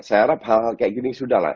saya harap hal hal kayak gini sudah lah